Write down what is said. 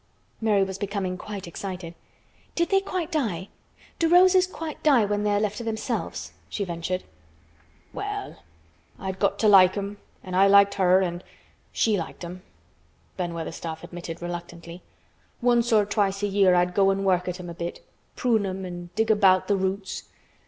Mary was becoming quite excited. "Did they quite die? Do roses quite die when they are left to themselves?" she ventured. "Well, I'd got to like 'em—an' I liked her—an' she liked 'em," Ben Weatherstaff admitted reluctantly. "Once or twice a year I'd go an' work at 'em a bit—prune 'em an' dig about th' roots.